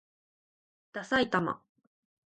ださいたま